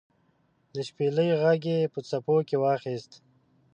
د شپیلۍ ږغ یې په څپو کې واخیست